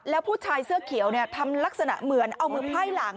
แล้วผู้ชายเสื้อเขียวทำลักษณะเหมือนเอามือไพ่หลัง